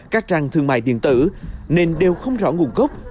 các trang thương mại điện tử nên đều không rõ nguồn gốc